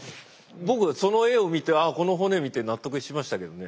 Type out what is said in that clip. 僕その絵を見てあこの骨見て納得しましたけどね。